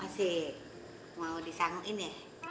masih mau disanguin ya